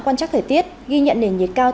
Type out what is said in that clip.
quan trắc thời tiết ghi nhận nền nhiệt cao